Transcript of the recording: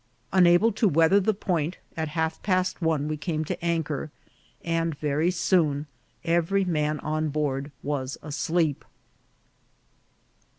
Unable to weather the point, at half past one we came to anchor, and very soon every man on board was asleep.